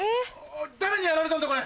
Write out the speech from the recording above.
誰にやられたんだ？